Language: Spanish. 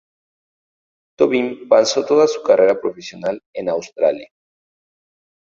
Tobin pasó toda su carrera profesional en Australia.